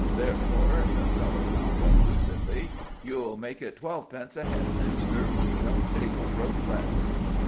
Therefore," the fellow wound up lucidly, "you'll make it twelvepence a head, master. We don't take a groat less."